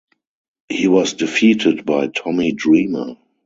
He was defeated by Tommy Dreamer.